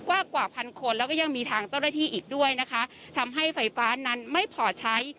กว่ากว่าพันคนแล้วก็ยังมีทางเจ้าหน้าที่อีกด้วยนะคะทำให้ไฟฟ้านั้นไม่พอใช้